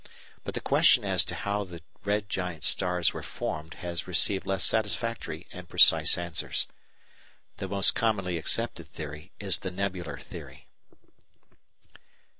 But the question as to how the red giant stars were formed has received less satisfactory and precise answers. The most commonly accepted theory is the nebular theory.